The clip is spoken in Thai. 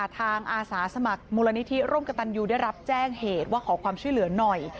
อาสาสมัครมูลนิธิร่วมกับตันยูได้รับแจ้งเหตุว่าขอความช่วยเหลือหน่อย